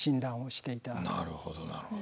なるほどなるほど。